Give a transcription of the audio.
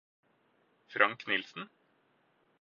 Frank Nielsen